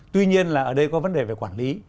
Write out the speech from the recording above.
tuy nhiên là ở đây có vấn đề về quản lý